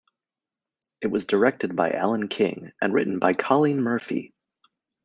It was directed by Allan King, and written by Colleen Murphy.